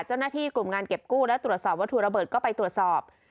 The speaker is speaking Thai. เจ้าหน้าที่กลุ่มงานเก็บกู้และตรวจสอบวัตถุระเบิดก็ไปตรวจสอบ